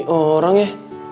ini orang ya